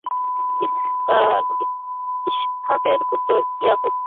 ইসহাকের পুত্র ইয়াকূব তাঁর অপর নাম ছিল ইসরাঈল।